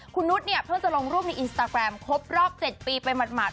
คุณนุษย์เนี่ยเพิ่งจะลงรูปในอินสตาแกรมครบรอบ๗ปีไปหมาด